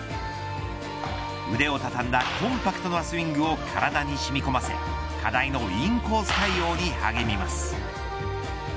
腕をたたんだコンパクトなスイングを体に染み込ませ課題のインコース対応に励みます。